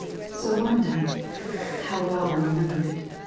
So one night how well I remember it!